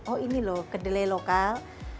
oh ini loh kedelai lokal